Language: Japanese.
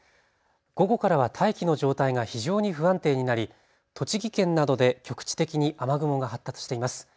午後からは大気の状態が非常に不安定になり栃木県などで局地的に雨雲が発達しています。